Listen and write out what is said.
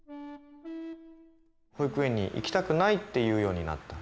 「保育園に行きたくない」って言うようになった。